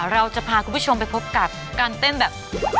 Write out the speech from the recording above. เราจะพาคุณผู้ชมไปพบกับการเต้นแบบ